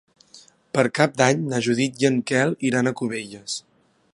Per Cap d'Any na Judit i en Quel iran a Cubelles.